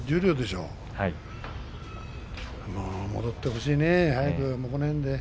もう戻ってほしいね、この辺で。